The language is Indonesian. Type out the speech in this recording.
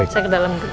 saya ke dalam dulu